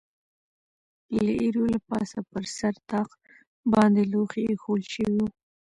د ایرو له پاسه پر سر طاق باندې لوښي اېښوول شوي و.